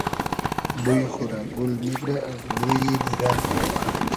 بوی خو رۂ گول میگرۂ از بویی دیدۂ